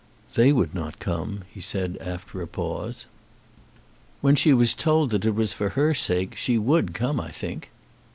"They would not come," he said, after a pause. "When she was told that it was for her sake, she would come, I think."